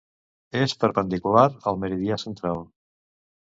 És perpendicular al meridià central.